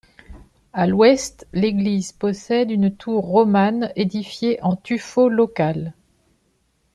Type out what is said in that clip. À l'ouest, l'église possède une tour romane édifiée en tuffeau local.